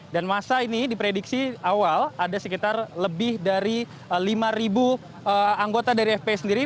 dan masa ini diprediksi awal ada sekitar lebih dari lima anggota dari fpi sendiri